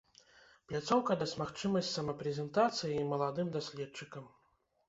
Пляцоўка дасць магчымасць самапрэзентацыі і маладым даследчыкам.